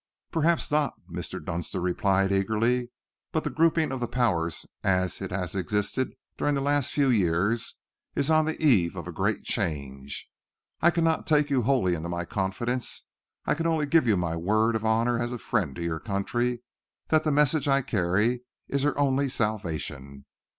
"Perhaps not," Mr. Dunster replied eagerly, "but the grouping of the Powers as it has existed during the last few years is on the eve of a great change. I cannot take you wholly into my confidence. I can only give you my word of honour as a friend to your country that the message I carry is her only salvation.